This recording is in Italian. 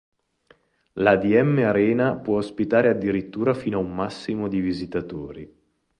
La "dm-arena" può ospitare addirittura fino a un massimo di visitatori.